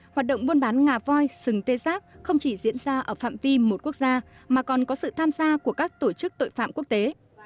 hoạt động buôn bán ngà voi sừng tê giác không chỉ diễn ra ở phạm vi một quốc gia mà còn có sự tham gia của các tổ chức tội phạm quốc tế